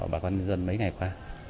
bà con dân mấy ngày qua